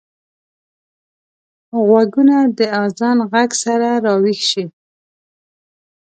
غوږونه د اذان غږ سره راويښ شي